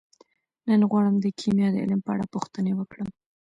نن غواړم د کیمیا د علم په اړه پوښتنې وکړم.